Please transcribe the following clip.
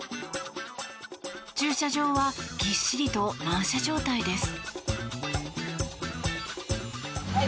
駐車場はギッシリと満車状態です。